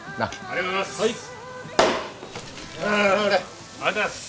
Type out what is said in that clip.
ありがとうございます！